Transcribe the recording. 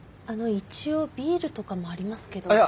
あの一応ビールとかもありますけど。